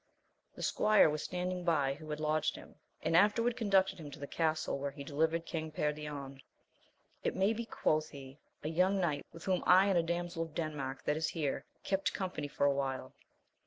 The squire was standing by who had lodged him, and afterward conducted him to the castle where he delivered King Perion. It may be, quoth he, a young knight, with whom I and a damsel of Denmark that is here, kept company for a while.